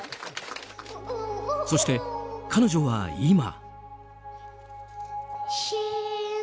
そして彼女は今。